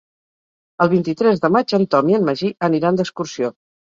El vint-i-tres de maig en Tom i en Magí aniran d'excursió.